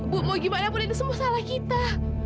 bu mau gimana bu ini semua salah kita